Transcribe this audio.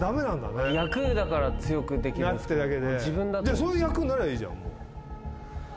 じゃあそういう役になりゃいいじゃんもう。